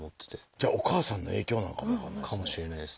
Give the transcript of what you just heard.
じゃあお母さんの影響なのかな？かもしれないですね。